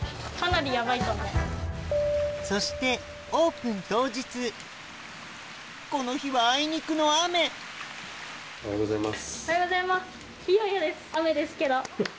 そしてこの日はあいにくの雨おはようございます。